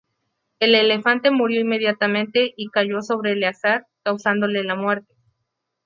El elefante murió inmediatamente y cayó sobre Eleazar, causándole la muerte.